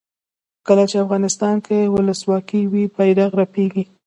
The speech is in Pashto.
کله چې افغانستان کې ولسواکي وي بیرغ رپیږي.